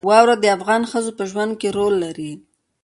واوره د افغان ښځو په ژوند کې رول لري.